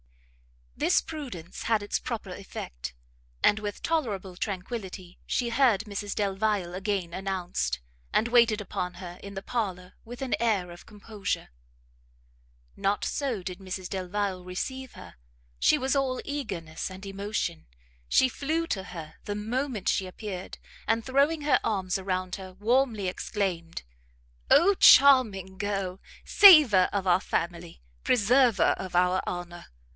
This prudence had its proper effect, and with tolerable tranquility she heard Mrs Delvile again announced, and waited upon her in the parlour with an air of composure. Not so did Mrs Delvile receive her; she was all eagerness and emotion; she flew to her the moment she appeared, and throwing her arms around her, warmly exclaimed "Oh charming girl! Saver of our family! preserver of our honour!